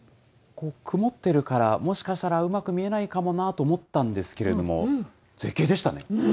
曇ってるから、もしかしたらうまく見えないかもなと思ったんですけども、絶景でしたね。